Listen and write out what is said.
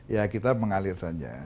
ya kita mengalir saja